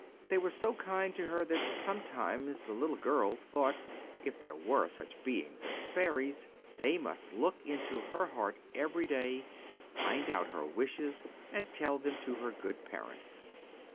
They were so kind to her that sometimes the little girl thought, if there were such beings as fairies, they must look into her heart every day, find out her wishes, and tell them to her good parents.